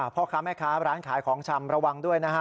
พ่อค้าแม่ค้าร้านขายของชำระวังด้วยนะฮะ